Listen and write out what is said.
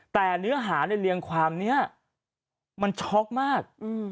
แต่เนื้อหาในเรียงความนี้มันช็อกมาก